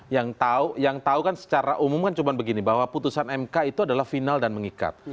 yang tahu kan secara umum kan cuma begini bahwa putusan mk itu adalah final dan mengikat